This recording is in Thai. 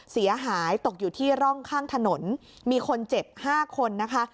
เสียหายตกอยู่ที่ร่องข้างถนนมีคนเจ็บ๕คนนะคะ